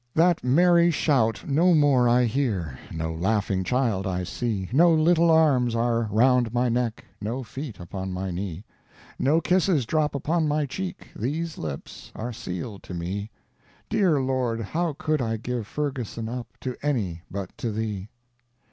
That merry shout no more I hear, No laughing child I see, No little arms are round my neck, No feet upon my knee; No kisses drop upon my cheek, These lips are sealed to me. Dear Lord, how could I give Ferguson up To any but to Thee?